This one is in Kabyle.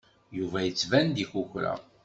Yuba yettban-d ikukra.